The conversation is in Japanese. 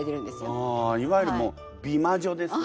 ああいわゆるもう美魔女ですね。